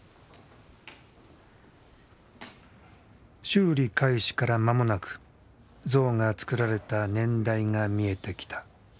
修理開始から間もなく像がつくられた年代が見えてきた。